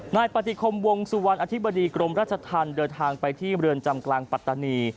นายปฏิคมวงสุวรรณอธิบดีกรมราชธรรมเดินทางไปที่เรือนจำกลางปัตตานี